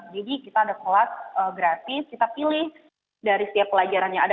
kita ada sholat gratis kita pilih dari setiap pelajaran yang ada